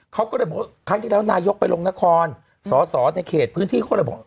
เขาก็เลยบอกว่าครั้งที่แล้วนายกไปลงนครสอสอในเขตพื้นที่เขาก็เลยบอก